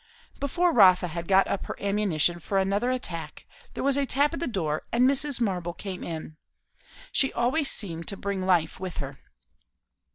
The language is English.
Before Rotha had got up her ammunition for another attack, there was a tap at the door, and Mrs. Marble came in. She always seemed to bring life with her.